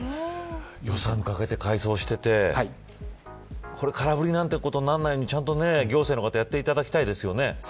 予算をかけて改装をしていてこれ、空振りなんてことにならないようにちゃんと行政の方やっていただきたいですよね。